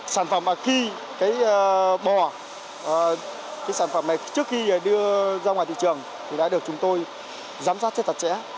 sản phẩm khi bò sản phẩm này trước khi đưa ra ngoài thị trường thì đã được chúng tôi giám sát rất thật chẽ